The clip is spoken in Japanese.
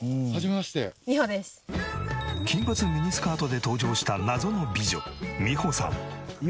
金髪ミニスカートで登場した謎の美女みほさん。